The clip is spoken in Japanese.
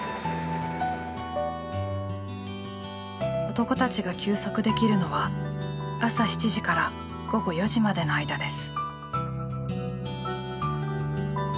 男たちが休息できるのは朝７時から午後４時までの間です。